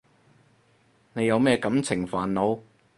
你有咩感情煩惱？